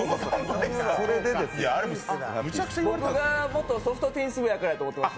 僕が元ソフトテニス部やからと思ってました。